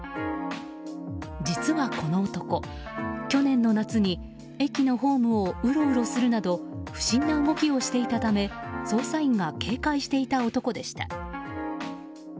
実はこの男、去年の夏に駅のホームをウロウロするなど不審な動きをしていたため捜査員が警戒していた男でした。